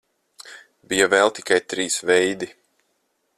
Bija vēl tikai trīs veidi.